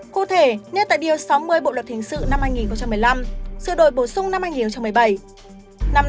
cụ thể nhất tại điều sáu mươi bộ luật hình sự năm hai nghìn một mươi năm sự đổi bổ sung năm hai nghìn một mươi bảy